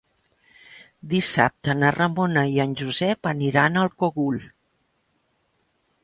Dissabte na Ramona i en Josep aniran al Cogul.